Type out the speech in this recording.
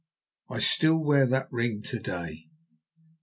I still wear that ring to day.